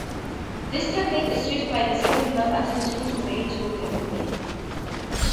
This technique is used by the second male attempting to mate with a female.